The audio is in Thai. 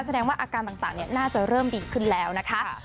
แสดงว่าอาการต่างน่าจะเริ่มดีขึ้นแล้วนะคะ